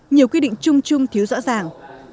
nhiều quy định chung chung thiếu rõ ràng